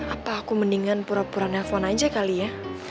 apa aku mendingan pura pura nelfon aja kali ya